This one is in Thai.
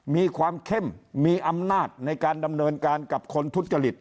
มีความเข้มมีอำนาจในการดำเนินการกับคนทุจริต